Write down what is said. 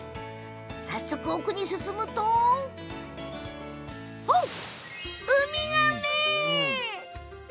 奥に進むとウミガメ。